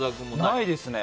ないですね。